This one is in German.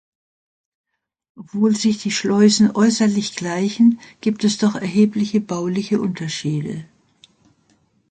Obwohl sich die Schleusen äußerlich gleichen, gibt es doch erhebliche bauliche Unterschiede.